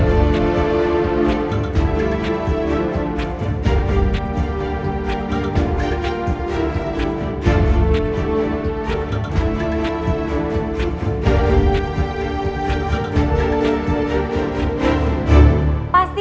coba udah siap bruh